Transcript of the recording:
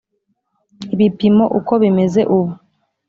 ibipimo uko bimeze ubu